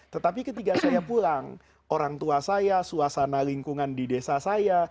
tetapi ketika saya pulang orang tua saya suasana lingkungan di desa saya